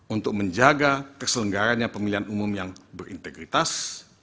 untuk menjaga keselenggaranya pemilihan umum yang berintegritas